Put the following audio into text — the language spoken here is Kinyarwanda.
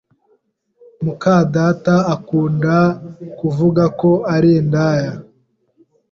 mukadata akunda kuvuga ko ari indaya